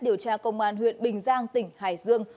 điều tra công an huyện bình giang tỉnh hải dương